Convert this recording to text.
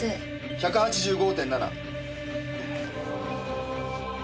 １８５．７。